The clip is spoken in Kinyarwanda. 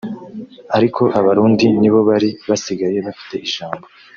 ariko Abarundi nibo bari basigaye bafite ijambo”